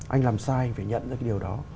anh làm sai phải nhận ra cái điều đó